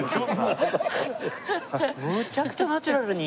むちゃくちゃナチュラルに。